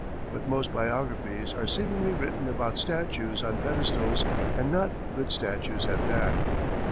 But most biographies are seemingly written about statues on pedestals, and not good statues at that.